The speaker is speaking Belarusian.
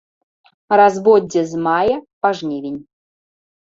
Разводдзе з мая па жнівень.